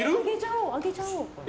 あげちゃおう。